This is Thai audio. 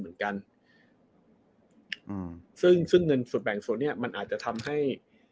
เหมือนกันอืมซึ่งซึ่งเงินส่วนแบ่งส่วนเนี้ยมันอาจจะทำให้